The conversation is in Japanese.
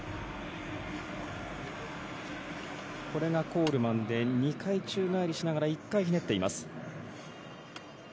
これがコールマンで２回宙返りしながら１回ひねっています。